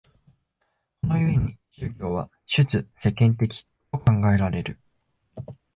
この故に宗教は出世間的と考えられる。